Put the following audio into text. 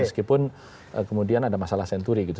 meskipun kemudian ada masalah senturi gitu